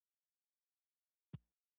تواب پايڅې لندې وې.